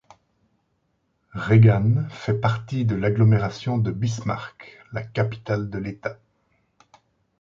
Regan fait partie de l’agglomération de Bismarck, la capitale de l’État.